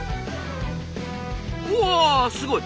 うわすごい！